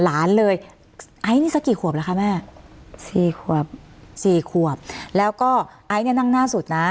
หลานเลยไอซ์นี่สักกี่ขวบแล้วคะแม่สี่ขวบสี่ขวบแล้วก็ไอซ์เนี่ยนั่งหน้าสุดนะ